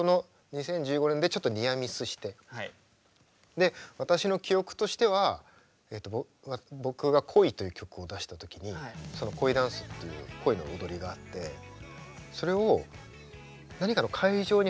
で私の記憶としては僕が「恋」という曲を出した時に恋ダンスという「恋」の踊りがあってそれを何かの会場に入る時に。